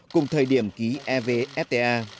cùng thời điểm ký evfta